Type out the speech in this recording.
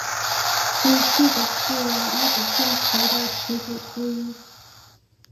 飞鹫是日本将棋的棋子之一。